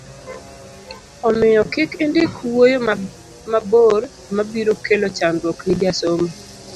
omiyo kik indik wuoyo mabor mabiro kelo chandruok ni jasomo